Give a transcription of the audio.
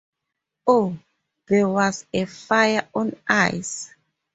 Oh, there was a fire on ice.